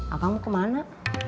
abang mau kemana